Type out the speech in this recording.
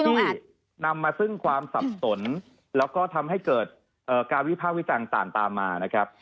ที่นำมาซึ่งความสับสนแล้วก็ทำให้เกิดการวิภาควิจารณ์ต่างตามมานะครับ